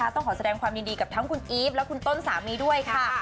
ต้องขอแสดงความยินดีกับทั้งคุณอีฟและคุณต้นสามีด้วยค่ะ